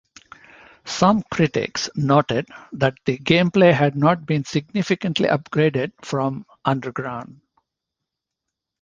Some critics noted that the gameplay had not been significantly upgraded from "Underground".